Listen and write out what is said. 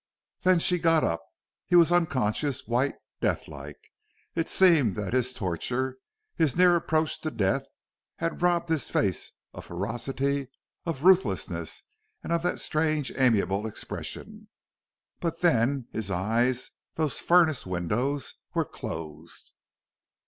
Then she got up. He was unconscious, white, death like. It seemed that his torture, his near approach to death, had robbed his face of ferocity, of ruthlessness, and of that strange amiable expression. But then, his eyes, those furnace windows, were closed.